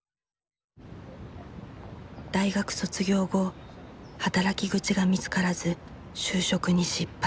大学卒業後働き口が見つからず就職に失敗。